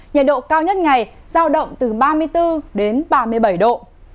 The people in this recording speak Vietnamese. nhiệt độ cao nhất ngày giao động từ ba mươi bốn đến ba mươi bảy độ